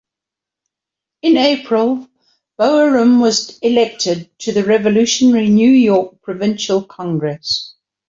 In April, Boerum was elected to the revolutionary New York Provincial Congress.